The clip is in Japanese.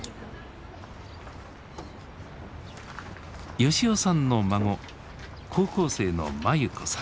吉男さんの孫高校生の眞優子さん。